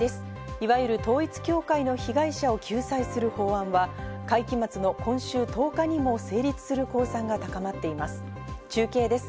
いわゆる統一教会の被害者を救済する法案は会期末の今週１０日にも成立する公算が高まっています。